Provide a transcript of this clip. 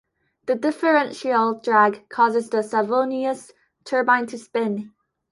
The differential drag causes the Savonius turbine to spin.